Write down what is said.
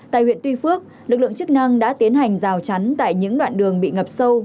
tại huyện tuy phước lực lượng chức năng đã tiến hành rào chắn tại những đoạn đường bị ngập sâu